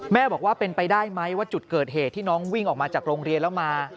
บอกว่าเป็นไปได้ไหมว่าจุดเกิดเหตุที่น้องวิ่งออกมาจากโรงเรียนแล้วมา